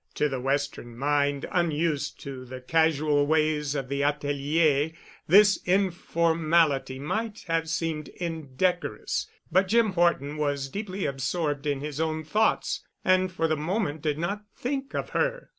To the western mind, unused to the casual ways of the atelier, this informality might have seemed indecorous. But Jim Horton was deeply absorbed in his own thoughts and for the moment did not think of her.